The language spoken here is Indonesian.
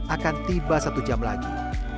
akan tiba satu jam lagi